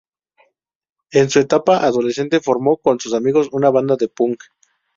En su etapa adolescente formó con sus amigos una banda de punk.